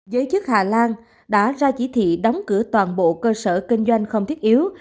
giới chức hà lan đã ra chỉ thị đóng cửa toàn bộ cơ sở kinh doanh không thiết yếu